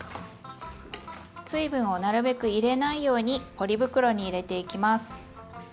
水分をなるべく入れないようにポリ袋に入れていきます。